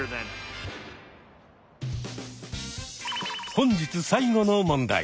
本日最後の問題。